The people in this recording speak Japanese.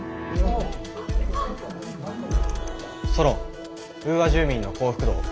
ソロンウーア住民の幸福度を。